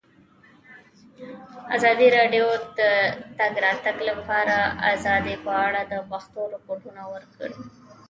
ازادي راډیو د د تګ راتګ ازادي په اړه د پېښو رپوټونه ورکړي.